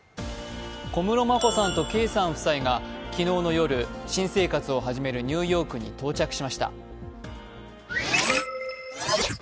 小室眞子さん・圭さん夫妻が昨日の夜、新生活を始めるニューヨークに到着しました。